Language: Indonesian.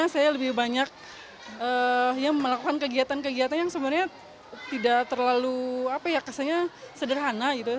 karena saya lebih banyak melakukan kegiatan kegiatan yang sebenarnya tidak terlalu sederhana gitu